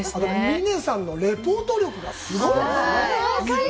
みねさんのレポート力がすごい。